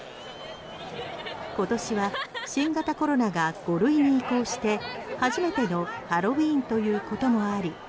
今年は新型コロナが５類に移行して初めてのハロウィンということもあり